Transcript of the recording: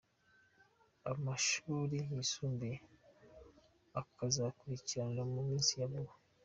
Amashure yisumbuye akazokurikira mu misi ya vuba.